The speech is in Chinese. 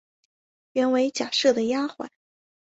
原为贾赦的丫环。